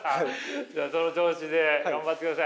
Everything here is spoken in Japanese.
じゃあその調子で頑張ってください。